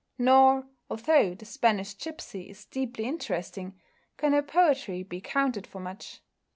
Nor, although "The Spanish Gipsy" is deeply interesting, can her poetry be counted for much.